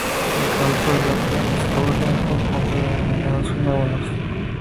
En el campo de la parapsicología apunta a los denominados fenómenos poltergeist.